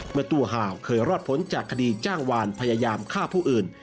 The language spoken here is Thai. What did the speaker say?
เมื่อตู้ห่าวเคยรอดพ้นจากคดีจ้างวานพยายามฆ่าผู้อื่น